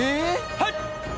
はい！